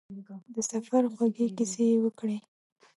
د سفر خوږې کیسې یې وکړې.